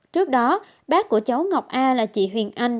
trước đó bác của cháu ngọc a là chị huyền anh